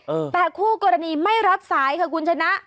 เออแต่คู่กรณีไม่รับสายค่ะคุณชนะ